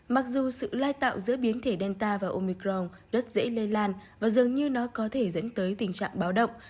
mặc dù sự lai tạo giữa biến thể delta và omicron rất dễ lây lan và dường như nó có thể dẫn tới tình trạng báo động